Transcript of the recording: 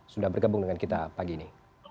sudah bergabung dengan kita pagi ini